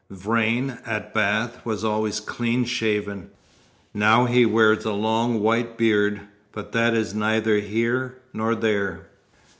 Vrain, at Bath, was always clean shaven; now he wears a long white beard, but that is neither here nor there.